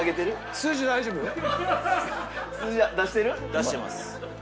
出してます。